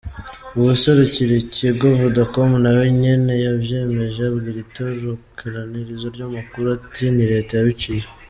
Uwuserukira ikigo Vodacom nawe nyene yavyemeje, abwira itororokanirizo ry'amakuru ati: "Ni leta yabiciye.